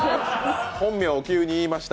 本名、急に言いました。